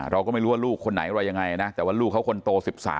เราก็ไม่รู้ว่าลูกคนไหนอะไรยังไงนะแต่ว่าลูกเขาคนโต๑๓